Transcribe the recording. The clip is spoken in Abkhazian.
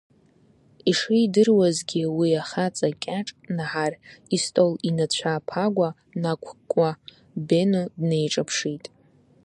Ишидыруазгьы уи ахаҵа кьаҿ Наҳар истол инацәа ԥагәа нақәкуа, Бено днеиҿаԥшит.